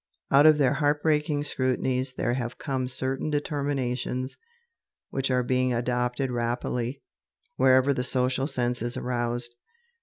Out of their heartbreaking scrutinies there have come certain determinations which are being adopted rapidly wherever the social sense is aroused.